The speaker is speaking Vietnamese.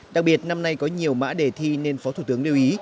đặc biệt năm nay có nhiều mã đề thi nên phó thủ tướng lưu ý